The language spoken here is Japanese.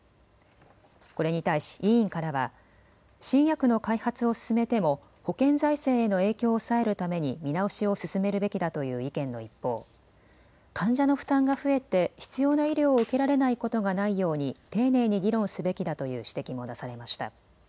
これに対し委員からは新薬の開発を進めても保険財政への影響を抑えるために見直しを進めるべきだという意見の一方、患者の負担が増えて必要な医療を受けられないことがないように丁寧に議論すべきだという指摘も出されました。